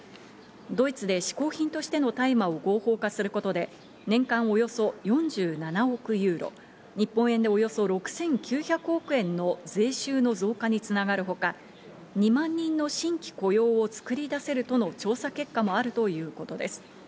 ドイツで嗜好品としての大麻を合法化することで、年間およそ４７億ユーロ、日本円でおよそ６９００億円の税収の増加に繋がるほか、２万人の新規雇用をつくり出せるとの調査結果もあるということです。